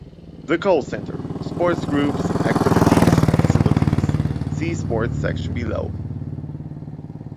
The Coll Centre - sports groups, activities and facilities - see Sport section below.